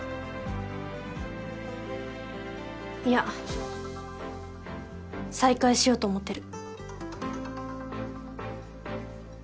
いや再開しようと思ってる。